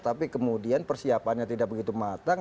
tapi kemudian persiapannya tidak begitu matang